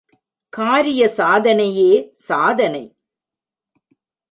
காரிய சாதனையே சாதனை.